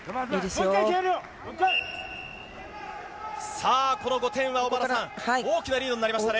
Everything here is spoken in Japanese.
さあ、この５点は小原さん大きなリードになりましたね。